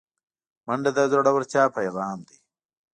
منډه د زړورتیا پیغام دی